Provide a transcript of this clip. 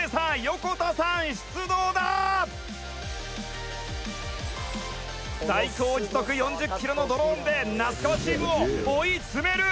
清水：「最高時速４０ｋｍのドローンで那須川チームを追い詰める！」